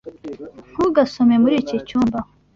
Ntugasome muri iki cyumba.